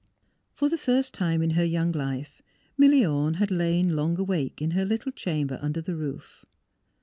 For the first time in her young life Milly Orne had lain long awake in her little chamber under the roof.